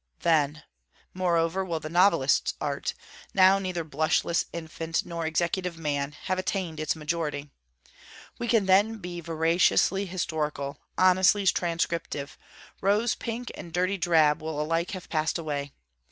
then, moreover, will the novelist's Art, now neither blushless infant nor executive man, have attained its majority. We can then be veraciously historical, honestly transcriptive. Rose pink and dirty drab will alike have passed away.